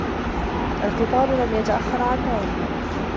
الْقِطَارُ لَمْ يَتَأَخَّرْ عَنْ مَوْعِدِهِ.